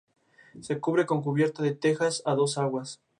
Se cubre con cubierta de tejas a dos aguas.